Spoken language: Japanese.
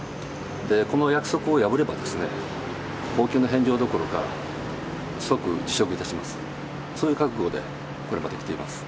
この約束を破ればですね、公給の返上どころか、即辞職いたします、そういう覚悟でこれまできています。